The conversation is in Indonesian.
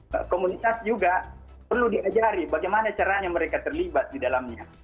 nah komunitas juga perlu diajari bagaimana caranya mereka terlibat di dalamnya